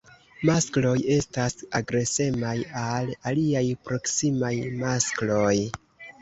Maskloj estas agresemaj al aliaj proksimaj maskloj.